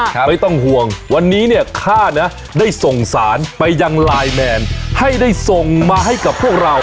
ไม่ต้องห่วงวันนี้เนี่ยข้านะได้ส่งสารไปยังไลน์แมนให้ได้ส่งมาให้กับพวกเรา